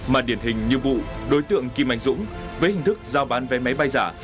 mặt điển hình nhiệm vụ đối tượng kim anh dũng với hình thức giao bán vé máy bay giả